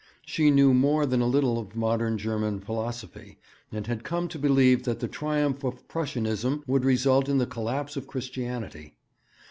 She knew more than a little of modern German philosophy, and had come to believe that the triumph of Prussianism would result in the collapse of Christianity.